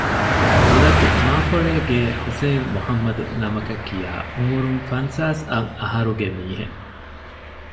މުލަކު މާފޮޅޭގޭ ޙުސައިން މުޙައްމަދު ނަމަކަށްކިޔާ ޢުމުރުން ފަންސާސް އަށް އަހަރުގެ މީހެއް